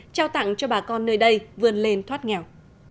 trao tặng cho bà con nơi đây vươn lên thoát nghèo